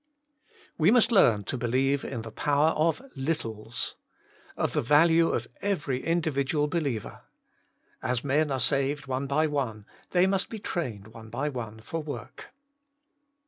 1. We must learn to believe in the power of littles — of the value of every individual believer. As men are saved one by one, they must be trained one by one for work.